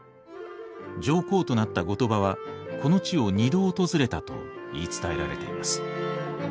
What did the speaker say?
上皇となった後鳥羽はこの地を２度訪れたと言い伝えられています。